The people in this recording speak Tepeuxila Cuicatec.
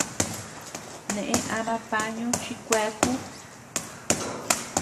Neʼë ama pañu chi kueaku.